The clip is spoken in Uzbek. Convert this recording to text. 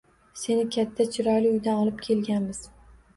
Seni katta, chiroyli uydan olib kelganmiz